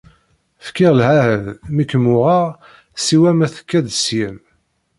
Fkiɣ lɛahed mi kem-uɣeɣ siwa ma tekka-d seg-m.